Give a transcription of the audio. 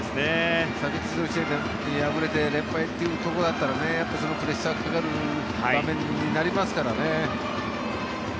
昨日の試合で敗れて連敗というところだったらそのプレッシャーがかかる場面になりますからね。